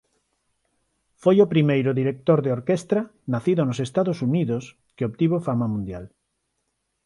Foi o primeiro director de orquestra nacido nos Estados Unidos que obtivo fama mundial.